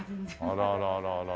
あらららら。